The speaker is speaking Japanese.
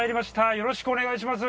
よろしくお願いします。